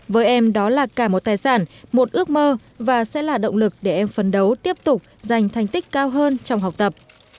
với em đó là cả một tài sản một ước mơ và sẽ là động lực để em phấn đấu tiếp tục giành thành tích cao hơn trong học tập